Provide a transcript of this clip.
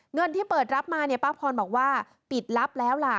เงินที่เปิดรับมาเนี่ยป้าพรบอกว่าปิดลับแล้วล่ะ